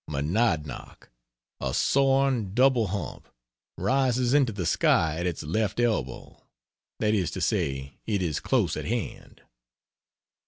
Monadnock, a soaring double hump, rises into the sky at its left elbow that is to say, it is close at hand.